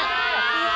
うわ！